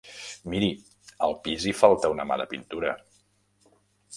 Miri, al pis hi falta una mà de pintura...